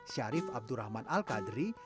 syarif abdurrahman al qadri